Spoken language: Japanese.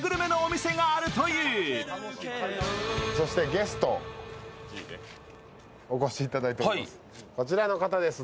ゲストにお越しいただいております。